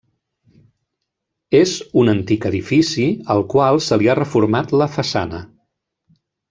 És un antic edifici al qual se li ha reformat la façana.